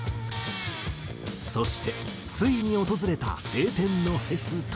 そしてついに訪れた晴天のフェス当日。